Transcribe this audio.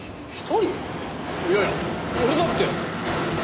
いやいや俺だって。